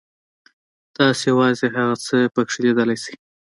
تاسو یوازې هغه څه پکې لیدلی شئ.